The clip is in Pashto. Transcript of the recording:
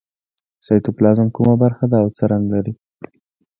سایتوپلازم کومه برخه ده او څه رنګ لري